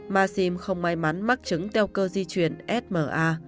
maxim không may mắn mắc chứng teo cơ di chuyển sma